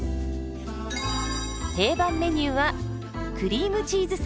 定番メニューはクリームチーズサーモン。